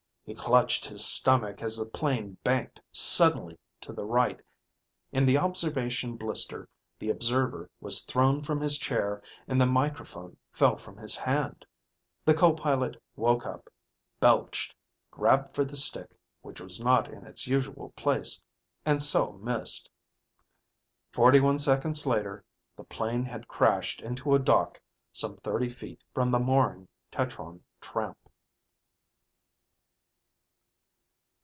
He clutched his stomach as the plane banked suddenly to the right. In the observation blister, the observer was thrown from his chair and the microphone fell from his hand. The co pilot woke up, belched, grabbed for the stick, which was not in its usual place, and so missed. Forty one seconds later, the plane had crashed into a dock some thirty feet from the mooring tetron tramp.